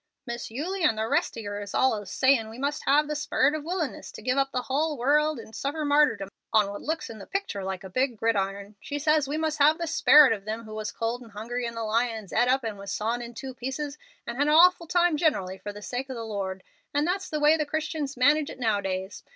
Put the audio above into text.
"Miss Eulie and the rest of yer is allers sayin' we must have the sperit of willingness to give up the hull world and suffer martyrdom on what looks in the picture like a big gridiron. She says we must have the sperit of them who was cold and hungry and the lions eat up and was sawn in two pieces and had an awful time generally for the sake of the Lord, and that's the way the Christians manage it nowadays.